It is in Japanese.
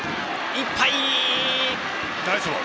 いっぱい。